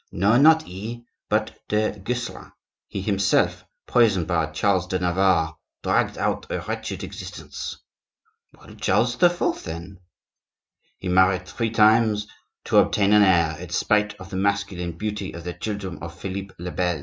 "No, not he, but du Guesclin. He himself, poisoned by Charles de Navarre, dragged out a wretched existence." "Well, Charles IV., then?" "He married three times to obtain an heir, in spite of the masculine beauty of the children of Philippe le Bel.